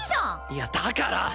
いやだから！